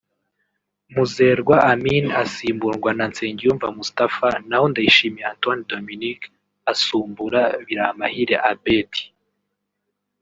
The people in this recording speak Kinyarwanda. Muzerwa Amin asimburwa na Nsengiyumva Moustapha naho Ndayishimiye Antoine Dominique asumbura Biramahire Abeddy